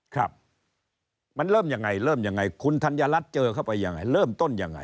ครับมันเริ่มยังไงเริ่มยังไงคุณธัญรัฐเจอเข้าไปยังไงเริ่มต้นยังไง